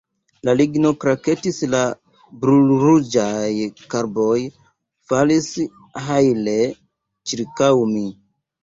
La ligno kraketis; la brulruĝaj karboj falis hajle ĉirkaŭ mi.